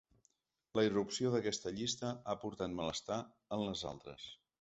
La irrupció d’aquesta llista ha portat malestar en les altres.